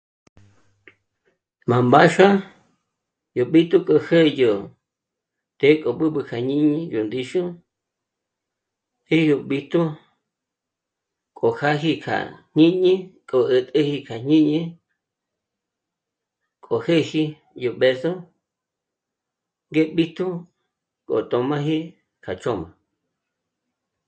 Má mbáxua yó bíjtu kjo yó të́'ë k'o b'ǚb'ü à jñini yó ndíxu jë́'ë yó b'íjtu kjojâji kjá jñíni k'o ä̀t'äji à jñíni kjojêji yó bë̌zo ngéjb'ítu gó tö̌m'aji k'a ch'ö̌m'a